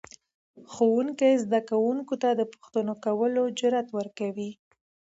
ښوونکی زده کوونکو ته د پوښتنو کولو جرأت ورکوي